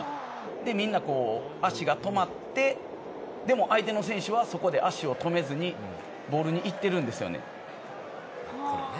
みんな、足が止まってでも相手の選手は足を止めずにボールに行ってるんですよね。